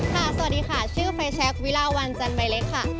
สวัสดีค่ะชื่อไฟแชควิลาวันจันใบเล็กค่ะ